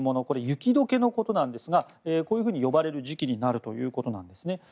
これ、雪解けのことなんですがこういうふうに呼ばれる時期になるということなんですね。